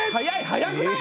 早くない？